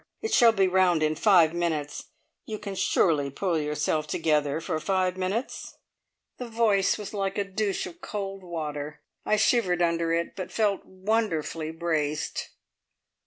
It shall be round in five minutes. You can surely pull yourself together for five minutes?" The voice was like a douche of cold water. I shivered under it, but felt wonderfully braced.